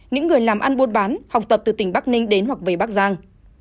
những người làm ăn buôn bán học tập từ tỉnh bắc ninh đến hoặc về bắc giang